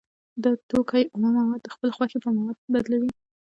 دا توکی اومه مواد د خپلې خوښې په موادو بدلوي